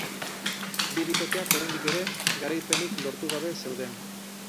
Bi bikoteak oraindik ere garaipenik lortu gabe zeuden.